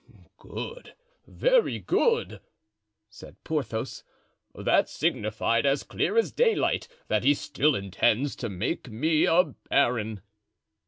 '" "Good, very good," said Porthos; "that signified as clear as daylight that he still intends to make me a baron."